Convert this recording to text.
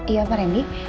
iya pak remi